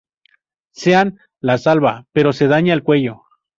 Sean la salva, pero se daña el cuello.